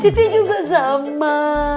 siti juga sama